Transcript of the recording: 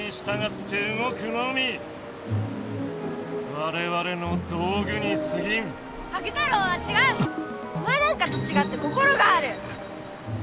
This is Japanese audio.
おまえなんかとちがって心がある！